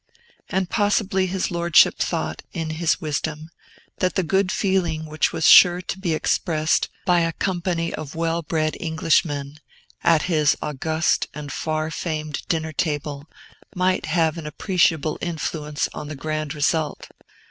And possibly his Lordship thought, in his wisdom, that the good feeling which was sure to be expressed by a company of well bred Englishmen, at his august and far famed dinner table, might have an appreciable influence on the grand result.